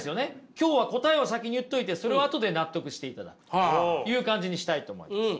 今日は答えを先に言っといてそれを後で納得していただくという感じにしたいと思います。